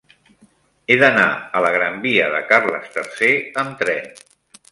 He d'anar a la gran via de Carles III amb tren.